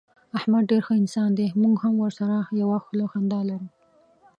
احمد ډېر ښه انسان دی. موږ هم ورسره یوه خوله خندا لرو.